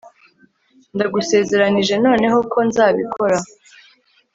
ndagusezeranije noneho ko nzabikora